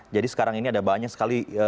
jadi sekarang ini ada banyak sekali